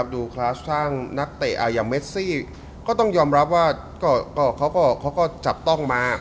คลาสข้างนักเตะอย่างเมซี่ก็ต้องยอมรับว่าเขาก็จับต้องมา